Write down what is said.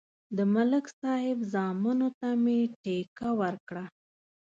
د ملک صاحب زامنو ته مې ټېکه ورکړه.